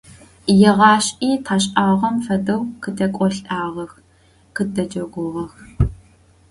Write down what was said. Егъашӏи ташӏагъэм фэдэу къытэкӏолӏагъэх, къыддэджэгугъэх.